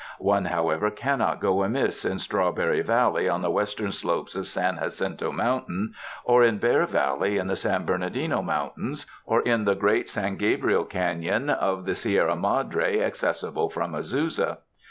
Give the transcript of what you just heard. One, how ever, cannot go amiss in Strawberry Valley on the western slopes of San Jacinto Mountain, or in Bear Valley in the San Bernardino Mountains, or in the great San Gabriel Caiion of the Sierra Madre ac cessible from Azusa.